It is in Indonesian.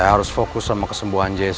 saya harus fokus sama kesembuhan jessi